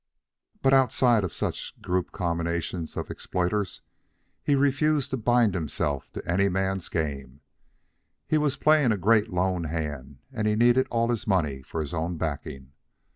But outside of such group combinations of exploiters, he refused to bind himself to any man's game. He was playing a great lone hand, and he needed all his money for his own backing.